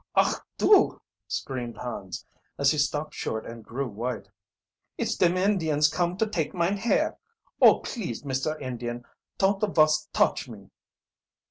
"Ach du!" screamed Hans, as he stopped short and grew white. "It's dem Indians come to take mine hair! Oh, please, Mister Indian, ton't vos touch me!"